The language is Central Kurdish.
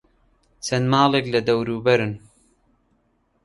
چەند ماڵێک لە دەوروبەرن.